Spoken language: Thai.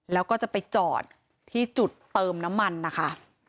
แล้วก็จะไปจอดที่จุดเติมน้ำมันนะคะ